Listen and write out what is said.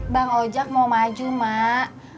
bang ojek mau maju mak